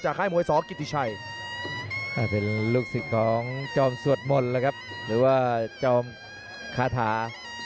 จากฮายมวยสอกิติชัยถ้าเป็นลูกสิทธิ์ของจอมสวดหมลล่ะครับหรือว่าจอมคาถา